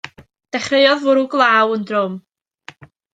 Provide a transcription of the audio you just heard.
Dechreuodd fwrw glaw yn drwm.